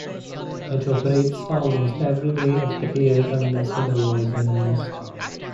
It operates almost every day of the year unless otherwise announced.